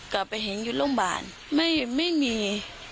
กลับไปเห็นร่วมบ้านไม่มี